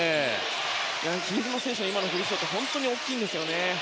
比江島選手の今のフリースローは本当に大きいんですよね。